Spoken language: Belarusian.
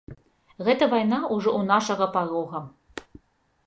Гэта вайна ўжо ў нашага парога.